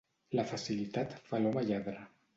La facilitat fa l'home lladre.